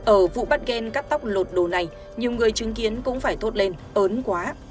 ở vụ bắt ghen cắt tóc lột đồ này nhiều người chứng kiến cũng phải thốt lên ớn quá